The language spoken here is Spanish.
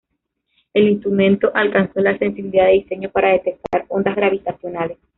El instrumento alcanzó la sensibilidad de diseño para detectar ondas gravitacionales.